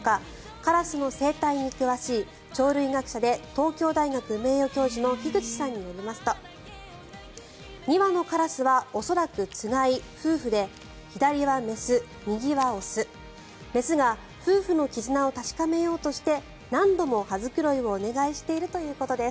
カラスの生態に詳しい鳥類学者で東京大学名誉教授の樋口さんによりますと２羽のカラスは恐らくつがい、夫婦で左は雌、右は雄雌が夫婦の絆を確かめようとして何度も羽繕いをお願いしているということです。